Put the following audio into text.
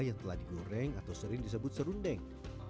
yang telah digoreng atau sering disebut serundeng